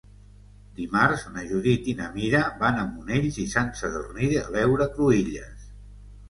Dimarts na Judit i na Mira van a Monells i Sant Sadurní de l'Heura Cruïlles.